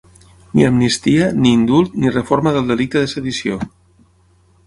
Ni amnistia, ni indult, ni reforma del delicte de sedició.